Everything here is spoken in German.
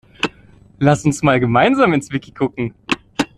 Lass uns mal gemeinsam ins Wiki gucken!